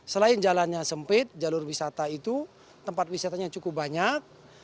selain jalannya sempit jalur wisata itu tempat wisatanya cukup banyak